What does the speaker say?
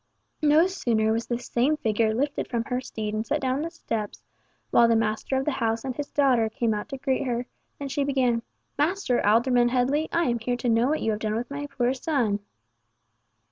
No sooner was this same figure lifted from her steed and set down on the steps, while the master of the house and his daughter came out to greet her, than she began, "Master Alderman Headley, I am here to know what you have done with my poor son!"